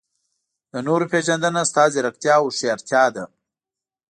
د نورو پېژندنه ستا ځیرکتیا او هوښیارتیا ده.